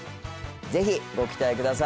ぜひご期待ください